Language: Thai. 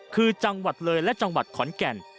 คือจังหวัดเลยและจังหวัดขอนแก่น